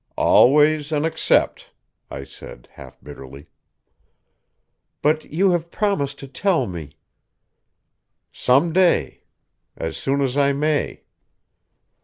"Always an 'except,'" I said half bitterly. "But you have promised to tell me " "Some day. As soon as I may."